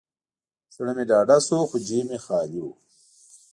زړه مې ډاډه شو، خو جیب مې خالي و.